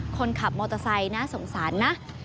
คนขับมอเตอร์ไซค์น่าสงสารนะ